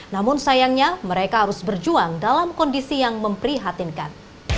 namun sayangnya mereka harus berjuang dalam kondisi yang memprihatinkan